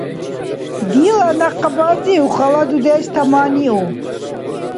Дила някъбазив хала дудеш таманиуб.